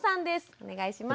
お願いします。